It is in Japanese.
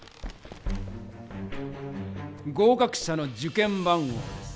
合かく者の受験番号です。